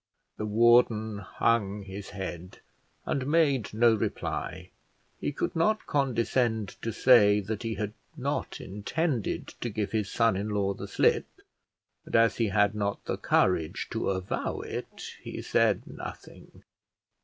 The warden hung his head, and made no reply: he could not condescend to say that he had not intended to give his son in law the slip; and as he had not the courage to avow it, he said nothing.